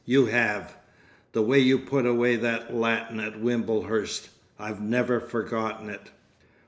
You have! The way you put away that Latin at Wimblehurst; I've never forgotten it.